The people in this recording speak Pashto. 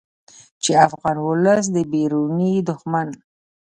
چې افغان ولس د بیروني دښمن